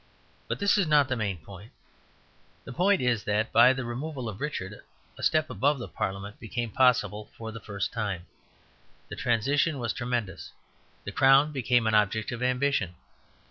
But this is not the main point. The point is that by the removal of Richard, a step above the parliament became possible for the first time. The transition was tremendous; the crown became an object of ambition.